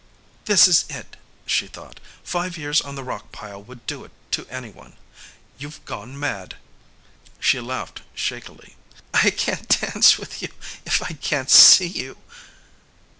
"This is it," she thought. "Five years on the rock pile would do it to anyone. You've gone mad." She laughed shakily. "I can't dance with you if I can't see you."